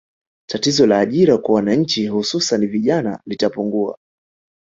Tatizo la ajira kwa wananchi hususani vijana litapungua